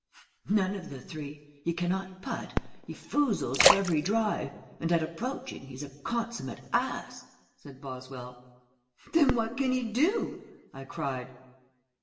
"None of the three. He cannot put, he foozles every drive, and at approaching he's a consummate ass," said Boswell. "Then what can he do?" I cried.